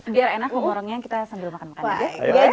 biar enak umur orangnya kita sambil makan makan aja